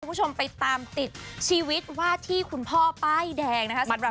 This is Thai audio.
คุณผู้ชมไปตามติดชีวิตวาดที่คุณพ่อป้ายแดงนะคะ